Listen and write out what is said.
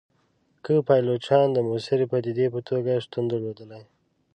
که پایلوچانو د موثري پدیدې په توګه شتون درلودلای.